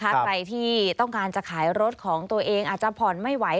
ใครที่ต้องการจะขายรถของตัวเองอาจจะผ่อนไม่ไหว